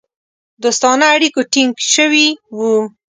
دوستانه اړیکو ټینګ سوي وه.